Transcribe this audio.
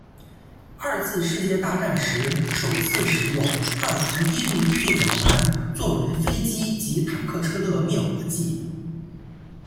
二次世界大战时首次使用二氟一氯一溴甲烷作为飞机及坦克车的灭火剂。